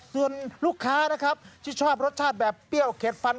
ส่วนลูกค้านะครับที่ชอบรสชาติแบบเปรี้ยวเข็ดฟัน